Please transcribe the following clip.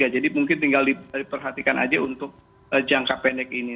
jadi mungkin tinggal diperhatikan aja untuk jangka pendek ini